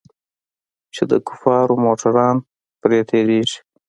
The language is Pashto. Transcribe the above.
چې د کفارو موټران پر تېرېږي.